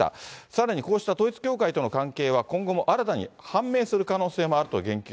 さらにこうした統一教会との関係は今後も新たに判明する可能性もあると言及。